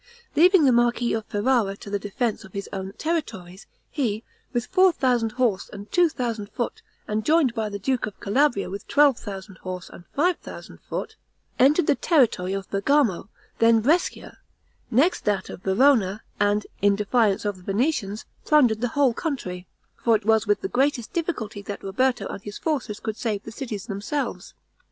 Leaving the marquis of Ferrara to the defense of his own territories, he, with four thousand horse and two thousand foot, and joined by the duke of Calabria with twelve thousand horse and five thousand foot, entered the territory of Bergamo, then Brescia, next that of Verona, and, in defiance of the Venetians, plundered the whole country; for it was with the greatest difficulty that Roberto and his forces could save the cities themselves.